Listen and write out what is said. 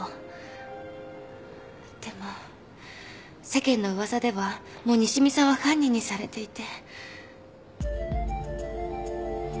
でも世間の噂ではもう西見さんは犯人にされていて。